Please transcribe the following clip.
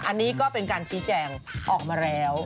อันนี้ก็เป็นการชี้แจงออกมาแล้ว